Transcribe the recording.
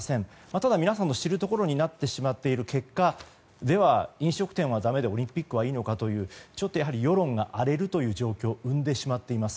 ただ皆さんの知るところになってしまっている結果では、飲食店はだめでオリンピックはいいのかという世論が荒れるという状況を生んでしまっています。